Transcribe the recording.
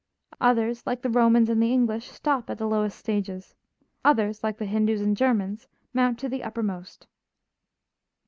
Others, like the Romans and the English, stop at the lowest stages; others, like the Hindoos and Germans, mount to the uppermost.